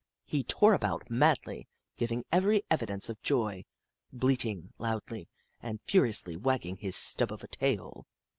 He tore about madly, giving every evidence of joy, bleating loudly, and furiously wagging his stub of a tail.